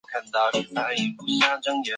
孔达有子得闾叔榖仍为大夫。